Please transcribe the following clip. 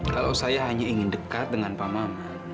kalau saya hanya ingin dekat dengan pak mama